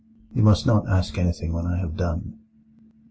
You must not ask anything when I have done.